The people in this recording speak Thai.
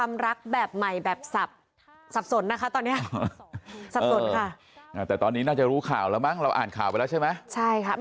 อ่าแต่ตอนนี้น่าจะรู้ข่าวแล้วมั้งเราอ่านข่าวไปแล้วใช่ไหม